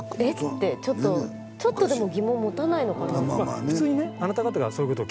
てちょっとでも疑問持たないのかな。